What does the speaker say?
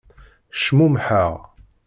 Cmumḥeɣ.